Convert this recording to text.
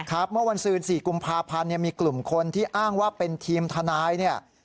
เมื่อวันซืน๔กุมภาพันธ์มีกลุ่มคนที่อ้างว่าเป็นทีมทนายเนี่ย